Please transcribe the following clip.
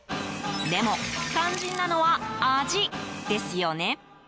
でも、肝心なのは味ですよね？